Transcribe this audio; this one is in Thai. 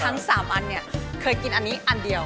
ทั้ง๓อันเนี่ยเคยกินอันนี้อันเดียว